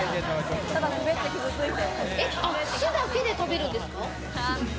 酢だけで食べるんですか？